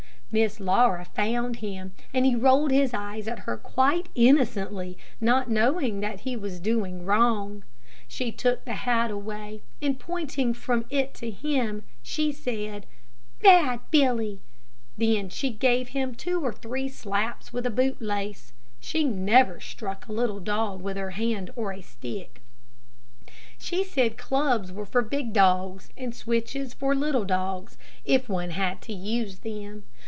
Miss Laura found him, and he rolled his eyes at her quite innocently, not knowing that he was doing wrong. She took the hat away, and pointing from it to him, said, "Bad Billy!" Then she gave him two or three slaps with a bootlace. She never struck a little dog with her hand or a stick. She said clubs were for big dogs and switches for little dogs, if one had to use them.